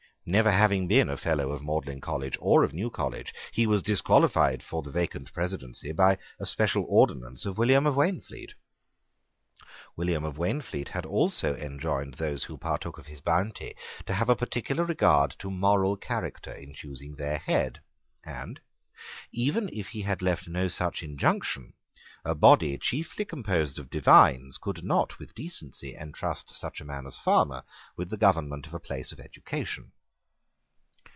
Never having been a Fellow of Magdalene College or of New College, he was disqualified for the vacant presidency by a special ordinance of William of Waynflete. William of Waynflete had also enjoined those who partook of his bounty to have a particular regard to moral character in choosing their head; and, even if he had left no such injunction, a body chiefly composed of divines could not with decency entrust such a man as Farmer with the government of a place of education.